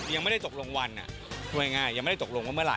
ยังไม่ได้ตกลงวันพูดง่ายยังไม่ได้ตกลงว่าเมื่อไห